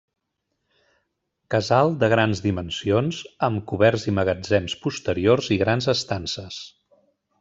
Casal de grans dimensions, amb coberts i magatzems posteriors, i grans estances.